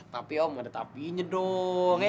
tapi om ada tapinya dong ya